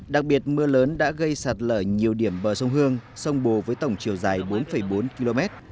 đặc biệt mưa lớn đã gây sạt lở nhiều điểm bờ sông hương sông bồ với tổng chiều dài bốn bốn km